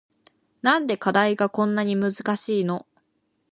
なんで課題がこんなに難しいの